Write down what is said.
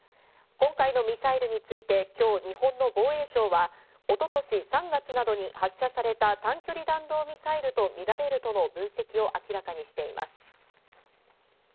今回のミサイルについて今日、日本の防衛省は一昨年３月などに発射された短距離弾道ミサイルとみられるとの分析を明らかにしています。